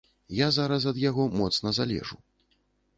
Я зараз ад яго моцна залежу.